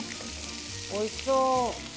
おいしそう。